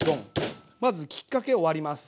まずきっかけを割ります。